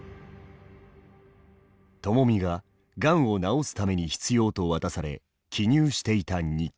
ともみががんを治すために必要と渡され記入していた日記。